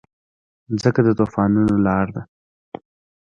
مځکه د طوفانونو لاره ده.